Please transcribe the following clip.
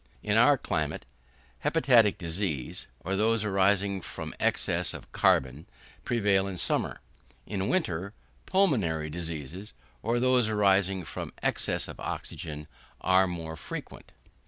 In our climate, hepatic diseases, or those arising from excess of carbon, prevail in summer; in winter, pulmonary diseases, or those arising from excess of oxygen, are more frequent.